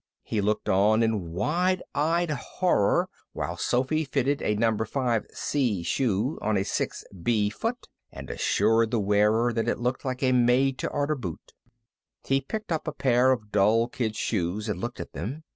He looked on in wide eyed horror while Sophy fitted a No. 5 C shoe on a 6 B foot and assured the wearer that it looked like a made to order boot. He picked up a pair of dull kid shoes and looked at them.